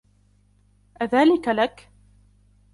أذلك لك ؟